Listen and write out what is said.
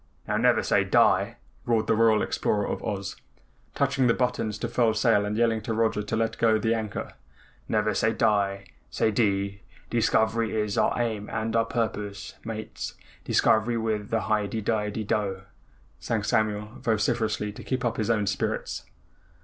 "Now never say die!" roared the Royal Explorer of Oz, touching the buttons to furl sail and yelling to Roger to let go the anchor. "Never say die say dee dee scovery is our aim and purpose, Mates. Dee scovery with a hi de di dide di dough!" sang Samuel vociferously to keep up his own spirits.